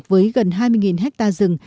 với gần hai mươi hectare rừng